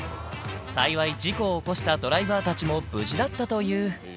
幸い、事故を起こしたドライバーたちも無事だったという。